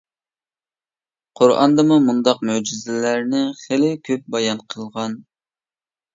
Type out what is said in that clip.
قۇرئاندىمۇ مۇنداق مۆجىزىلەرنى خېلى كۆپ بايان قىلغان.